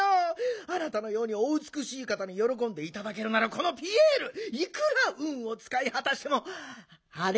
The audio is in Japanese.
あなたのようにおうつくしいかたによろこんでいただけるならこのピエールいくらうんをつかいはたしてもあれ？